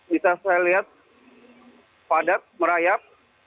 bisa saya lihat padat merayap